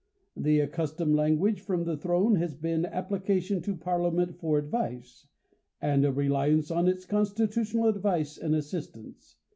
The accustomed language from the throne has been application to Parliament for advice, and a reliance on its constitutional advice and assistance.